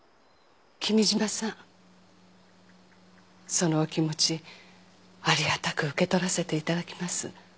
そのお気持ちありがたく受け取らせていただきます。